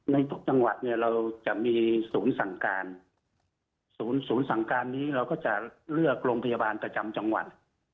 ในทุกจังหวัดเนี่ยเราจะมีศูนย์สั่งการศูนย์สั่งการนี้เราก็จะเลือกโรงพยาบาลประจำจังหวัด